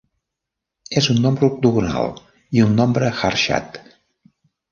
És un nombre octogonal i un nombre Harshad.